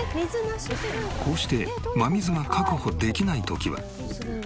こうして真水が確保できない時は。